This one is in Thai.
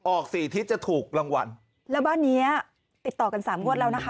ออกสี่ทิศจะถูกรางวัลแล้วบ้านเนี้ยติดต่อกันสามงวดแล้วนะคะ